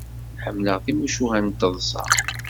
Ḥemmleɣ timucuha n taḍsa.